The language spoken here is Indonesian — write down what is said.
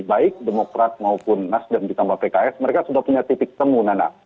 baik demokrat maupun nasdem ditambah pks mereka sudah punya titik temu nana